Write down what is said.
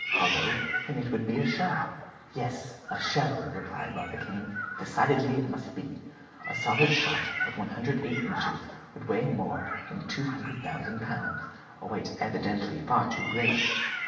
"Hollow? then it would be a shell?" "Yes, a shell," replied Barbicane; "decidely it must be. A solid shot of 108 inches would weigh more than 200,000 pounds, a weight evidently far too great.